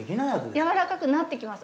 柔らかくなってきます。